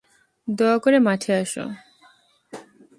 দয়া করে মাঠে আসো।